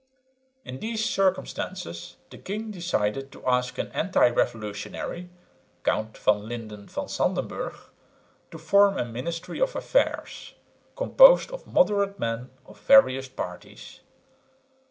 In these circumstances the king decided to ask an anti revolutionary, Count van Lynden van Sandenburg, to form a "Ministry of Affairs," composed of moderate men of various parties.